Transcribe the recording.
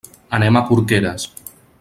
Anem a Porqueres.